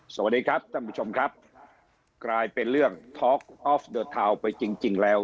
สวัสดีครับท่านผู้ชมครับกลายเป็นเรื่องไปจริงจริงแล้ว